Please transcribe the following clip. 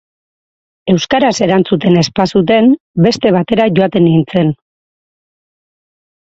Euskaraz erantzuten ez bazuten, beste batera joaten nintzen.